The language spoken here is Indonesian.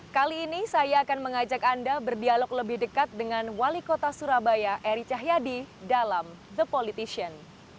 kali ini saya akan mengajak anda berdialog lebih dekat dengan wali kota surabaya eri cahyadi dalam the politician